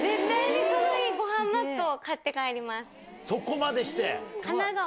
そこまでして？